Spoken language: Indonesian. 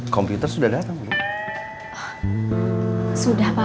komputer sudah datang sudah pak